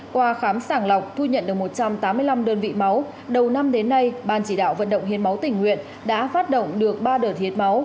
qua khám sàng lọc thu nhận được một trăm tám mươi năm đơn vị máu đầu năm đến nay ban chỉ đạo vận động hiến máu tỉnh nguyện đã phát động được ba đợt hiến máu